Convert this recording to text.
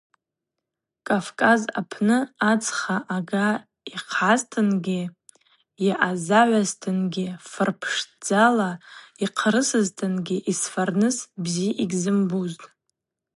Кӏавкӏаз апны ацха, ага йхъгӏазтынгьи, йъазагӏвазтынгьи, фыгӏв пшдзала йхърысызтынгьи, йсфарныс бзи йгьзымбузтӏ.